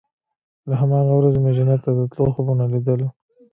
له هماغې ورځې مې جنت ته د تلو خوبونه ليدل.